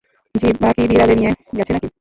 জিহ্বা কি বিড়ালে নিয়ে গেছে না-কি?